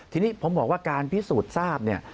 ทีนี้ผมบอกว่าการพิสูจน์ทราบเนี่ย